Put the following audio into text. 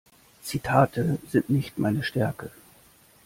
Zitate sind nicht meine Stärke.